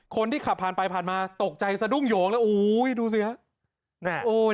คนที่ขับผ่านไปผ่านมาตกใจสะดุ้งโยงเลยโอ้โหดูสิฮะโอ้ย